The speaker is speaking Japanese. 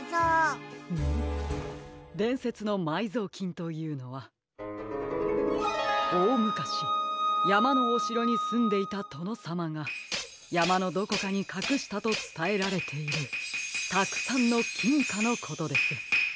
でんせつのまいぞうきんというのはおおむかしやまのおしろにすんでいたとのさまがやまのどこかにかくしたとつたえられているたくさんのきんかのことです。